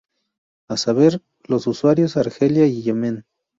A saber, los usuarios, Argelia y Yemen.